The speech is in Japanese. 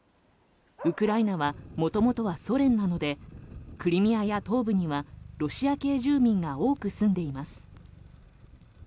ウクライナはもともとはソ連なのでクリミアや東部にはロシア系住民が多く住んでいます。